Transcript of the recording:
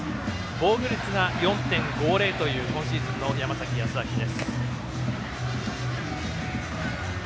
防御率が４．５０という今シーズンの山崎康晃です。